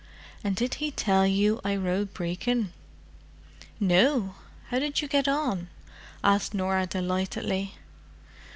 And did he tell you I rode Brecon?" "No! How did you get on?" asked Norah delightedly.